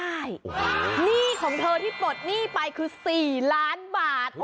ใช่หนี้ของเธอที่ปลดหนี้ไปคือ๔ล้านบาท